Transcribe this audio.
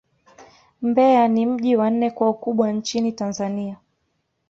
Mbeya ni mji wa nne kwa ukubwa nchini Tanzania.